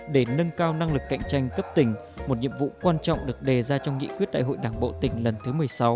để nâng cao năng lực cạnh tranh cấp tỉnh một nhiệm vụ quan trọng được đề ra trong nghị quyết đại hội đảng bộ tỉnh lần thứ một mươi sáu